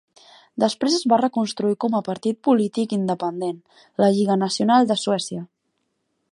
Després es va reconstruir com a partit polític independent, la Lliga Nacional de Suècia.